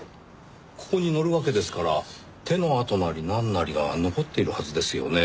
ここに乗るわけですから手の跡なりなんなりが残っているはずですよね。